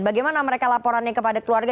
bagaimana mereka laporannya kepada keluarga